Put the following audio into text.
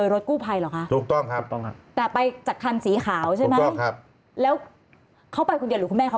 รถคันสีขาวยังอยู่